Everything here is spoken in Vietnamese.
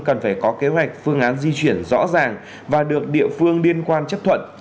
cần phải có kế hoạch phương án di chuyển rõ ràng và được địa phương liên quan chấp thuận